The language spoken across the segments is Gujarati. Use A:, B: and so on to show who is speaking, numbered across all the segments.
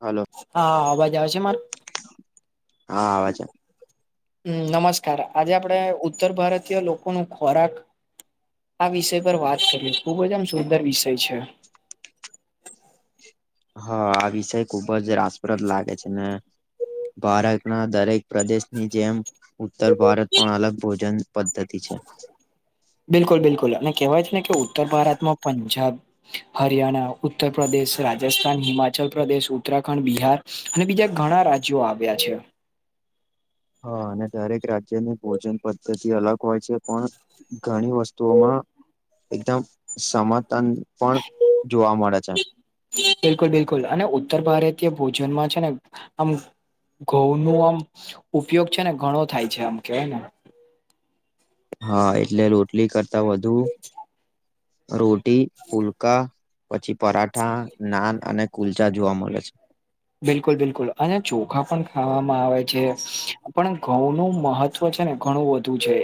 A: હાલો
B: હા અવાજ આવે છે મારો?
A: હા આવે છે.
B: હમ નમસ્કાર આજે આપડે ઉત્તર ભારતીય લોકો નો ખોરાક આ વિષય પર વાત કરી ખુબ જ આમ સુંદર વિષય છે.
A: હા આ વિષય ખુબ જ રાસપ્રદ લાગે છે ને ભારતના દરેક પ્રદેશની જેમ ઉત્તર ભારત પણ અલગ ભોજન પદ્ધતિ છે.
B: બિલકુલ બિલકુલ અને કહેવાય છે ને કે ઉત્તર ભારતમાં પંજાબ હરિયાણા, ઉત્તર પ્રદેશ, રાજસ્થાન, હિમાચલ પ્રદેશ, ઉત્તરાખંડ, બિહાર, અને બીજા ઘણા રાજ્યો આવ્યા છે.
A: હા અને દરેક રાજ્યની ભોજન પદ્ધતિ અલગ હોય છે પણ ઘણી વસ્તુઓમાં એકદમ સમર્થન પણ જોવા મળે છે.
B: બિલકુલ બિલકુલ અને ઉત્તર ભારતીય ભોજનમાં છે ને આમ ઘઉં નો આમ ઉપયોગ છે ને ઘણો થાય છે આમ કેવાય ને.
A: હા એટલે રોટલી કરતા વધુ રોટી ફુલકા પછી પરાઠા, નાન અને કુલચા જોવા મળે છે.
B: બિલકુલ બિલકુલ અને ચોખા પણ ખાવામાં આવે છે પણ ઘઉનું મહત્વ છે ને ઘણું વધુ છે.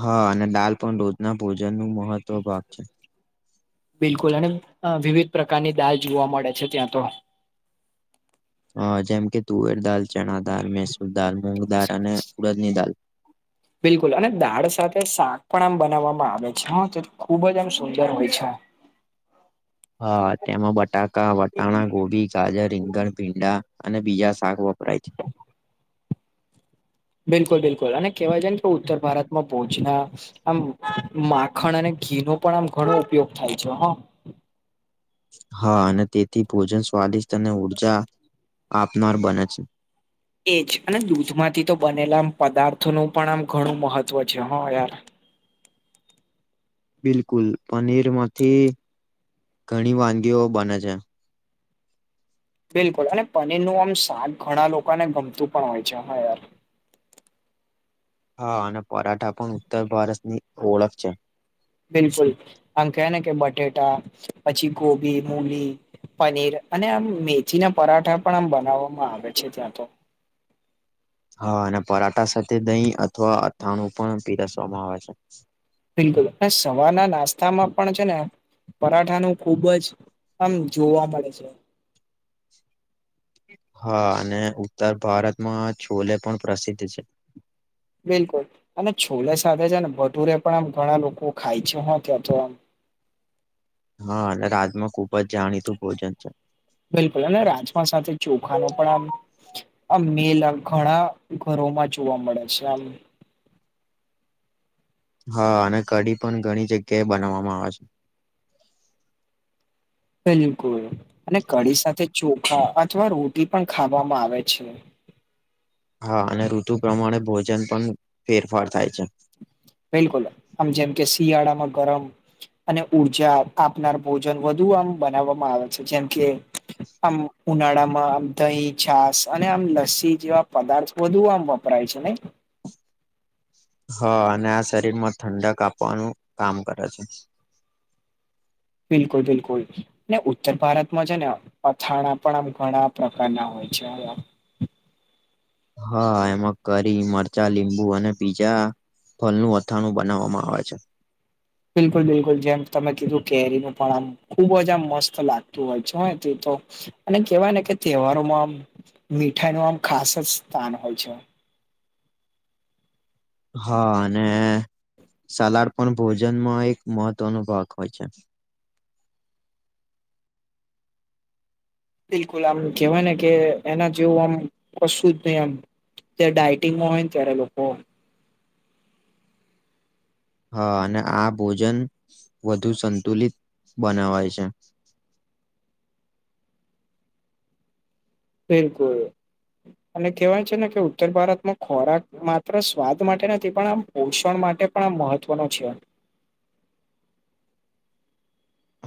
A: હા અને દાલ પણ રોજના ભોજન નું મહત્વ ભાગ છે.
B: બિલકુલ અને વિવિધ પ્રકારની દાળ જોવા મળે છે ત્યાં તો.
A: હ જેમ કે તુવેર દાળ, ચણા દાળ, મૈસુર દાળ, મૂંગ દાળ અને ઉડદની દાળ.
B: બિલકુલ અને દાળ સાથે શાક પણ આમ બનાવવામાં આવે છે તો ખુબ જ આમ સુંદર હોય છે.
A: હા તેમાં બટાકા, વટાણા, ગોબી. ગાજર, રીંગણ, ભીંડા અને બીજા શાક વપરાય છે.
B: બિલકુલ બિલકુલ અને કહેવાય જાય ને કે ઉત્તર ભારતમાં ભોજના આમ માખણ અને ઘી નો પણ આમ ઘણો ઉપયોગ થાય છે.
A: હા અને તેથી ભોજન સ્વાદિષ્ટ અને ઉર્જા આપનાર બને છે.
B: એજ અને દૂધ માંથી તો બનેલા આમ પદાર્થોનું પણ આમ ઘણું મહત્વ છે હા યાર.
A: બિલકુલ પનીરમાંથી ઘણી વાનગીઓ બને છે.
B: બિલકુલ અને પનીર નું આમ શાક ઘણા લોકોને ગમતું પણ હોય છે હા યાર.
A: હા અને પરાઠા પણ ઉત્તર ભારત ની ઓળખ છે.
B: બિલકુલ આમ કે ને કે બટેટા પછી ગોબી, મૂલી પનીર અને આમ મેથી ના પરાઠા પણ આમ બનાવવામાં આવે છે ત્યાં તો.
A: હા અને પરાઠા સાથે દહીં અથવા અથાણું પણ પીરસવામાં આવે છે.
B: બિલકુલ અને સવારના નાસ્તામાં પણ છે ને પરાઠાનું ખુબ જ આમ જોવા મળે છે.
A: હા અને ઉત્તર ભારતમાં છોલે પણ પ્રસિદ્ધ છે.
B: બિલકુલ અને છોલે સાથે છે ને ભટુરે પણ આમ ઘણા લોકો ખાય છે હો ત્યા તો એમ.
A: હા અને રાજમા ખુબ જ જાણીતું ભોજન છે.
B: બિલકુલ અને રાજમા સાથે ચોખાનો પણ આમ આમ મેલા ઘણા ઘરોમાં જોવા મળે છે આમ
A: હા અને કઢી પણ ઘણી જગ્યાએ બનાવવામાં આવે છે.
B: બિલકુલ અને કઢી સાથે ચોખા અથવા રોટી પણ ખાવામાં આવે છે.
A: હા અને ઋતુ પ્રમાણે ભોજન પણ ફેરફાર થાય છે.
B: બિલકુલ આમ જેમ કે શિયાળામાં ગરમ અને ઉર્જા આપનાર ભોજન વધુ આમ બનાવવામાં આવે છે જેમકે આમ ઉનાળામાં આમ દહીં, છાસ અને આમ લસ્સી જેવા પદાર્થ બહુ આમ વપરાય છે ને.
A: હા અને આ શરીર માં ઠંડક આપવાનું કામ કરે છે.
B: બિલકુલ બિલકુલ. ને ઉત્તર ભારતમાં છે ને અથાણા પણ આમ ઘણા પ્રકારના હોય છે.
A: હા એમાં કરી મરચાં લીંબુ અને બીજા ફળનું અથાણું બનાવવામાં આવે છે.
B: બિલકુલ બિલકુલ જેમ તમે કીધું કેરીનું પણ આમ ખુબજ આમ મસ્ત લાગતું હોય છે તે તો અને કેહેવાય ને કે તહેવારોમાં આ મીઠાઈ નું આમ ખાસ જ સ્થાન હોય છે.
A: હા અને સલાડ પણ ભોજનમાં એક મહત્વનો ભાગ હોય છે.
B: બિલકુલ આમ કેહેવાય ને કે એના જેવું આમ કશુ જ નહી આમ. તે ડાયટિંગમાં હોય ને ત્યારે લોકો
A: હા અને આ ભોજન વધુ સંતુલિત બનાવાય છે.
B: બિલકુલ. અને કહેવાય છે ને કે ઉત્તર ભારતમાં ખોરાક માત્ર સ્વાદ માટે નથી પણ આમ પોષણ માટે પણ આ મહત્વનો છે.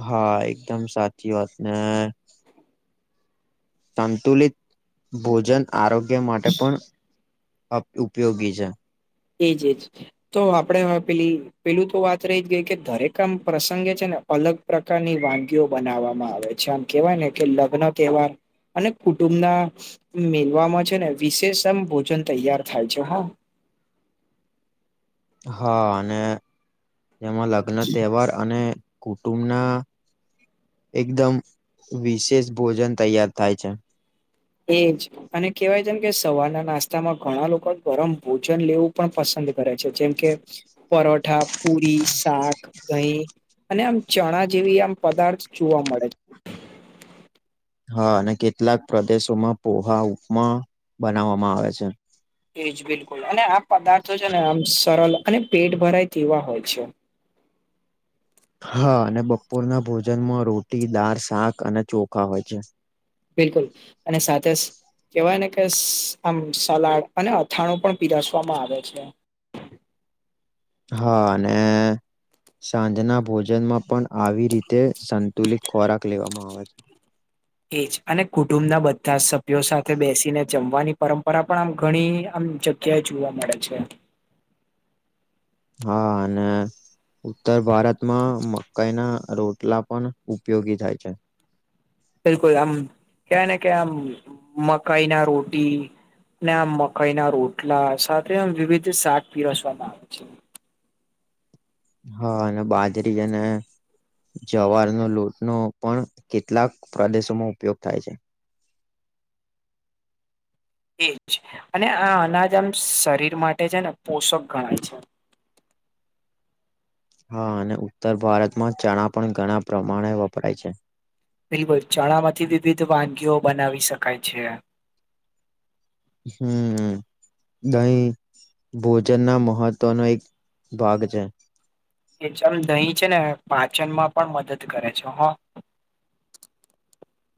A: હા એકદમ સાચી વાત ને સંતુલિત ભોજન આરોગ્ય માટે પણ અપ ઉપયોગી છે
B: એજ એજ તો આપડે પેલી પેલું તો વાત રહી જ ગઈ કે દરેક આમ પ્રસંગે છે ને અલગ પ્રકારની વાનગીઓ બનાવવામાં આવે છે આમ કેહેવાય ને કે લગ્ન તહેવાર અને કુટુંબ ના મેલવામાં છે ને વિશેષ એમ ભોજન તૈયાર થાય છે હો.
A: હા અને તેમાં લગ્ન તહેવાર અને કુટુંબના એકદમ વિશેષ ભોજન તૈયાર થાય છે
B: એજ અને કેહેવાય જેમ કે સવારના નાસ્તામાં ઘણા લોકો ગરમ ભોજન લેવું પણ પસંદ કરે છે જેમકે પરોઠા પુરી શાક દહીં અને આમ ચણા જેવી આમ પદાર્થ જોવા મળે છે
A: હા અને કેટલાક પ્રદેશોમાં પોહા ઉપમા બનાવામાં આવે છે
B: એજ બિલકુલ અને આ પદાર્થો છે ને આમ સરળ અને પેટ ભરાય તેવા હોય છે
A: હા અને બપોરના ભોજનમાં રોટી દાળ શાક અને ચોખા હોય છે
B: બિલકુલ અને સાથે કેવાય ને કે આમ સલાડ અને અથાણું પણ પીરસવામાં આવે છે
A: હા અને સાંજના ભોજનમાં પણ આવી રીતે સંતુલિત ખોરાક લેવામાં આવે છે
B: એજ અને કુટુંબ ના બધા સભ્યો સાથે બેસીને જમવાની પરંપરા પણ આમ ઘણી આમ જગ્યાએ જોવા મળે છે
A: હા અને ઉત્તર ભારતમાં મકાઈ ના રોટલા પણ ઉપયોગી થાય છે
B: બિલકુલ આમ કેવાય ને કે આમ મકાઈ ના રોટી ને આ મકાઈ ના રોટલા સાથે વિવિધ શાક પીરસવામાં આવે છે
A: હા અને બાજરી જ ને જવારનો લોટ નો પણ કેટલાક પ્રદેશોમાં ઉપયોગ થાય છે
B: એ જ છે અને આ અનાજ આમ શરીર માટે છે ને પોષક ગણાય છે
A: હા અને ઉત્તર ભારતમાં ચણા પણ ઘણા પ્રમાણે વપરાય છે
B: બિલકુલ ચણા માંથી વિવિધ વાનગીઓ બનાવી શકાય છે
A: હમ દહી ભોજન ના મહત્વનો એક ભાગ છે
B: એ જેમ દહીં છે ને પાચન માં પણ મદદ કરે છે હ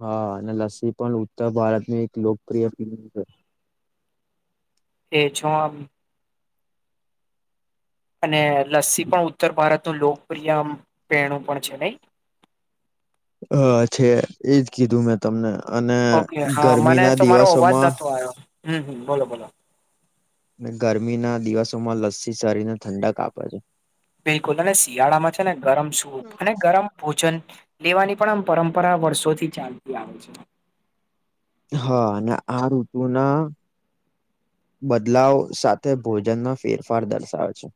A: હા અને લસ્સી પણ ઉત્તર ભારતની એક લોકપ્રિય [unintelligible] છે
B: એજ હો અને લસ્સી પણ ઉત્તર ભારતનું લોકપ્રિય પેણું પણ છે નહી
A: અ છે એજ કીધું મેં તમને અને ગરમીના દિવસોમાં
B: [unintelligible] હમ્મ બોલો બોલો
A: ગરમી ના દિવસોમા લસ્સી શરીર ને ઠંડક આપે છે
B: બિલકુલ અને શિયાળામા છે ને ગરમ સૂપ અને ગરમ ભોજન લેવાની પણ આમ પરપરા વર્ષોથી ચાલતી આવે છે,
A: હા અને આ ઋતુ ના બદલાવ સાથે ભોજનમાં ફેરફાર દર્શવે છે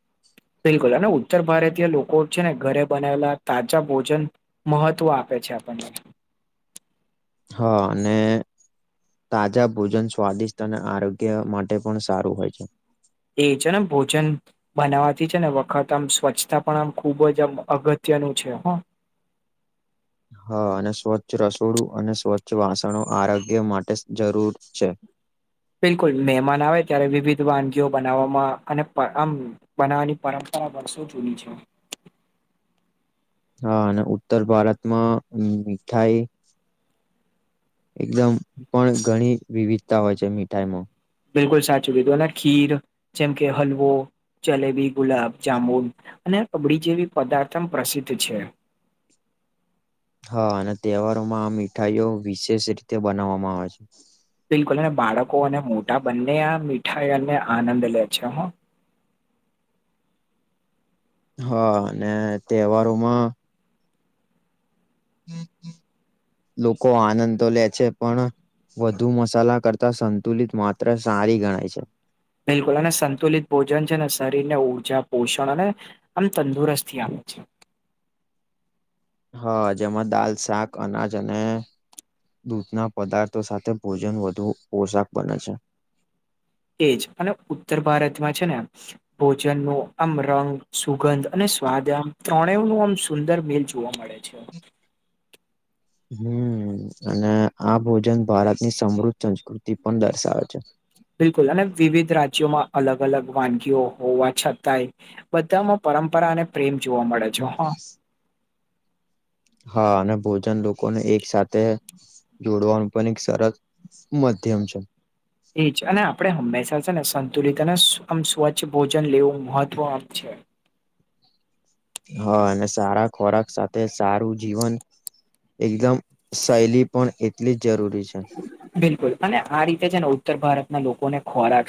B: બિલકુલ અને ઉત્તર ભારતીય લોકો છે, ને ઘરે બનાવેલા તાજા ભોજન મહત્વ આપે છે, આપણને
A: હા અને તાજા ભોજન સ્વાદિષ્ટ અને આરોગ્ય માટે પણ સારું હોય છે,
B: એે જેને ભોજન બનાવાથી છે ને વખત આમ સ્વચ્છતા પણ આમ ખુબ જ આમ અગત્યનું છે, હો
A: હા અને સ્વચ્છ રસોડું અને સ્વચ્છ વાસણો આરોગ્ય માટે જરૂર છે,
B: બિલકુલ મહેમાન આવે ત્યારે વિવિધ વાનગીઓ બનાવવામા અને પ આમ બનાવવાની પરંપરા વર્ષો જૂની છે,
A: હા અને ઉત્તર ભારતમાં મીઠાઈ એકદમ પણ ઘણી વિવિધતા હોય છે, મીઠાઈમાં
B: બિલકુલ સાચું કીધું અને ખીર જેમ કે હલવો જલેબી ગુલાબ જામુન અને રબડી જેવી પદાર્થ પ્રસિદ્ધ છે,
A: હા અને તહેવારોમા આ મીઠાઈઓ વિશેષ રીતે બનાવવામા આવે છે
B: બિલકુલ અને બાળકો અને મોટા બને આ મીઠાઈ અને આનંદ લે છે હો
A: હા અને તહેવારોમા
B: [inaudible]
A: લોકો આનંદ તો લે છે, પણ વધુ મસાલા કરતા સંતુલિત માત્ર સારી ગણાય છે
B: બિલકુલ અને સંતુલિત ભોજન છે ને શરીર ને ઉર્જા પોષણ અને આમ તંદુરસ્તથી આપે છે
A: હા જેમાં દાલ શાક અનાજ અને દૂધ ના પદાર્થો સાથે ભોજન વધુ પોષાક બને છે,
B: એ જ અને ઉત્તર ભારતમા છે ને ભોજન નુ આમ રંગ સુગંધ અને સ્વાદ આમ ત્રણે નું આમ સુંદર મીલ જોવા મળ ળે છે
A: હમ અને આ ભોજન ભારત ની સમૃદ્ધ સંસ્કૃતિ પણ દર્શાવે છે
B: બિલકુલ અને વિવિધ રાજ્યોમા અલગ અલગ વાનગીઓ હોવા છતાય બધામાં પરંપરા અને પ્રેમ જોવા મળે છે. હા
A: [inaudible] હા ને ભોજન લોકોને એક સાથે જોડવાનું પણ એક સરસ મધ્યમ છે.
B: એજ અને આપડે હમેશા છે ને સંતુલિત અને સ્વચ્છ ભોજન લેવુ મહત્વમ છે
A: હા અને સારા ખોરાક સાથે સારું જીવન એકદમ શૈલી પણ એટલી જ જરૂરી છે,
B: બિલકુલ અને આ રીતે છે, ને ઉત્તર ભારતના લોકોને ખોરાક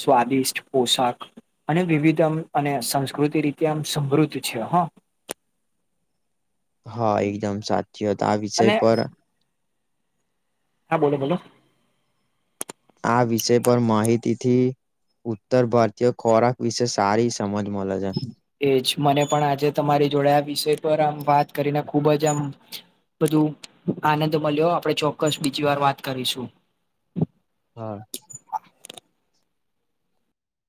B: સ્વાદિષ્ટ પોશાક અને વિવિધ આમ અને સંસ્કૃતિ રીતે આમ સમૃદ્ધ છે હ
A: હા એકદમ સાચી વાત આ
B: અને
A: વિષય પર
B: હા બોલો બોલો
A: આ વિષય પર માહિતી થી ઉત્તર ભારતીય ખોરાક વિશે સારી સમજ મલે છે,
B: એજ મને પણ આજે તમારી જોડે આ વિષય પર આમ વાત કરીને ખુબ જ આમ બધું આનંદ મળ્યો આપડે ચોક્કસબીજી વાર વાત કરીશુ
A: હા